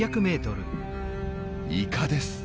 イカです。